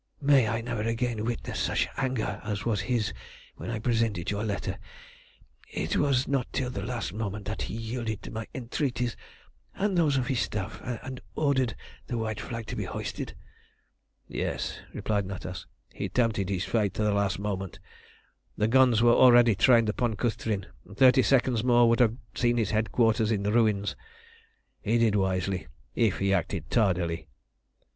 May I never again witness such anger as was his when I presented your letter. It was not till the last moment that he yielded to my entreaties and those of his staff, and ordered the white flag to be hoisted." "Yes," replied Natas. "He tempted his fate to the last moment. The guns were already trained upon Cüstrin, and thirty seconds more would have seen his headquarters in ruins. He did wisely, if he acted tardily."